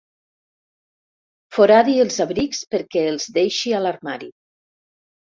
Foradi els abrics perquè els deixi a l'armari.